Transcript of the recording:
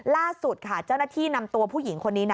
ล่าสุดค่ะเจ้าหน้าที่นำตัวผู้หญิงคนนี้นะ